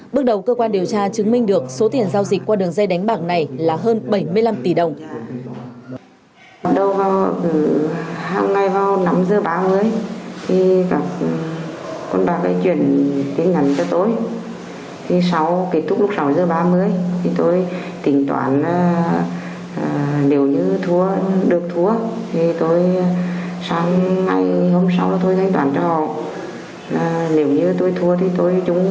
bước đầu cơ quan điều tra chứng minh được số tiền giao dịch qua đường dây đánh bạc này là hơn bảy mươi năm tỷ đồng